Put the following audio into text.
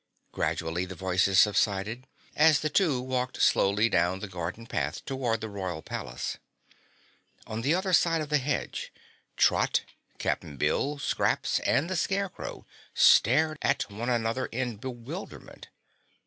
Gradually the voices subsided, as the two walked slowly down the garden path toward the Royal Palace. On the other side of the hedge, Trot, Cap'n Bill, Scraps and the Scarecrow stared at one another in bewilderment.